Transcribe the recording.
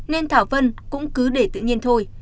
nên thảo vân cũng cứ để tự nhiên thôi